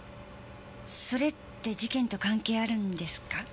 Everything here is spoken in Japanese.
それって事件と関係あるんですか？